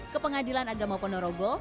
ke pengadilan agama ponorogo